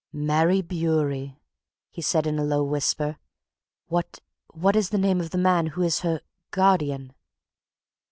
"Mary Bewery!" he said in a low whisper. "What what is the name of the man who is her guardian?"